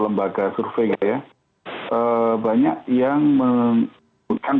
lembaga survei ya banyak yang menunjukkan